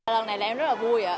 lần này em rất là vui